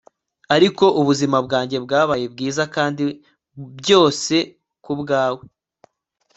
ariko ubuzima bwanjye bwabaye bwiza, kandi byose kubwawe